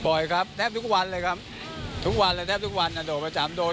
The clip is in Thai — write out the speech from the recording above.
บ่อยครับแทบทุกวันเลยครับทุกวันเลยแทบทุกวันอ่ะโดดประจำโดน